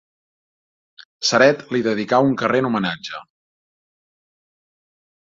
Ceret li dedicà un carrer en homenatge.